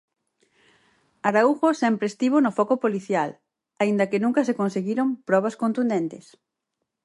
Araújo sempre estivo no foco policial, aínda que nunca se conseguiron probas contundentes.